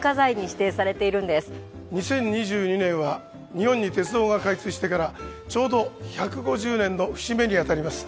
２０２２年は日本に鉄道が開通してからちょうど１５０年の節目にあたります。